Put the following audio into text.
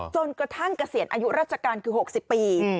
จนกระทั่งเกษียณอายุราชการคือ๖๐ปี